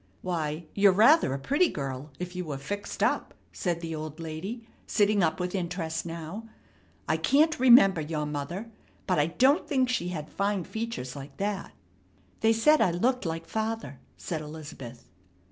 "Why, you're rather a pretty girl if you were fixed up," said the old lady, sitting up with interest now. "I can't remember your mother, but I don't think she had fine features like that." "They said I looked like father," said Elizabeth.